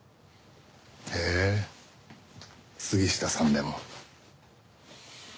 へえ杉下さんでも。